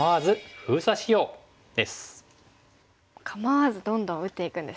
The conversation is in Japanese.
構わずどんどん打っていくんですね。